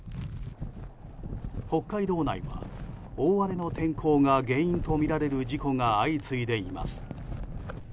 北海道内は大荒れの天候が原因とみられる事故が相次いでいます。